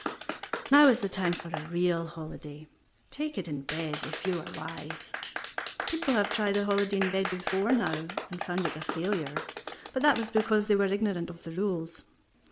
Now is the time for a real holiday. Take it in bed, if you are wise. People have tried a holiday in bed before now, and found it a failure, but that was because they were ignorant of the rules.